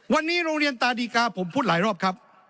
วันนี้โรงเรียนตาดีกาผมพูดหลายรอบครับ